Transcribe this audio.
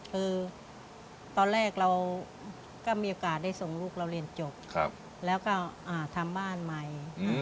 คือตอนแรกเราก็มีโอกาสได้ส่งลูกเราเรียนจบแล้วก็ทำบ้านใหม่